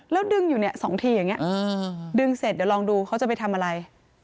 แล้วดึงอยู่เนี่ย๒ทีอย่างนี้ดึงเสร็จเดี๋ยวลองดูเขาจะไปทำอะไร